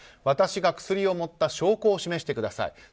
私が薬を盛った証拠を示してください。